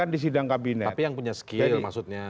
tapi yang punya skill maksudnya